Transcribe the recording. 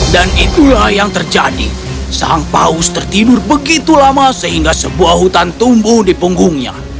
dan itulah yang terjadi sang paus tertidur begitu lama sehingga sebuah hutan tumbuh di punggungnya